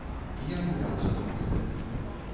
Я гуляў за факультэт.